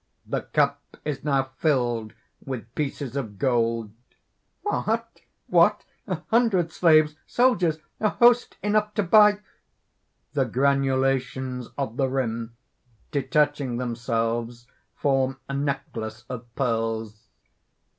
(The cup is now filled with pieces of gold.) "What! what!... a hundred slaves, soldiers, a host ... enough to buy...." (_The granulations of the rim, detaching themselves form a necklace of pearls.